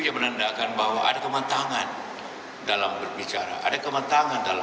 yang membeli baju membeli sepatu mahal